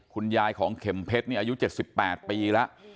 คุณยายของเข็มเพชรอายุ๗๘ปีละ